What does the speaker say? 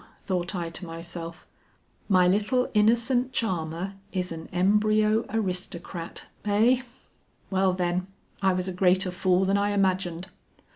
thought I to myself; "my little innocent charmer is an embryo aristocrat, eh? Well then, I was a greater fool than I imagined."